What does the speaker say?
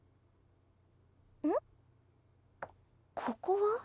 ここは？